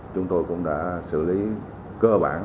chúng tôi cũng đã xử lý cơ bản